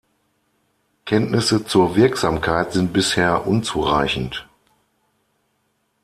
Kenntnisse zur Wirksamkeit sind bisher unzureichend.